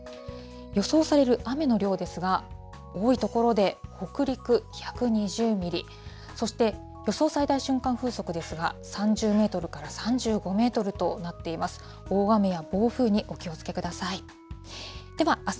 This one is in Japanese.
予想される雨の量ですが、多い所で北陸１２０ミリ、そして予想最大瞬間風速ですが、３０メートルから３５メートルとなっています。